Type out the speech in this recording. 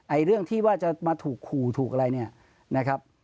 เรื่องที่ว่าจะมาถูกขู่ถูกอะไรเนี่ยนะครับ